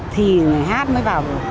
thì hát mới vào được